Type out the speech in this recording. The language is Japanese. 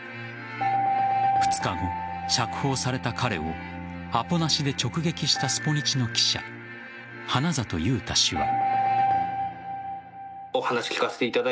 ２日後、釈放された彼をアポなしで直撃したスポニチの記者花里雄太氏は。